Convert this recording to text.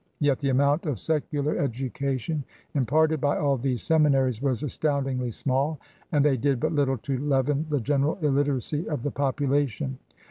Yet the amount of secular education imparted by all these seminaries was astoundingly small, and they did but little to leaven the general illiteracy of the population.